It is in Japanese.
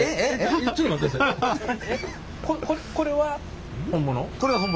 ここれは本物？